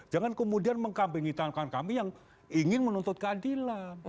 jangan kemudian mengkampengin tangan kami yang ingin menuntut keadilan